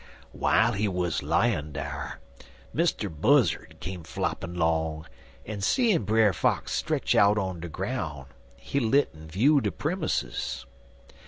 "While he wuz layin' dar, Mr. Buzzard come floppin' 'long, en seein' Brer Fox stretch out on de groun', he lit en view de premusses.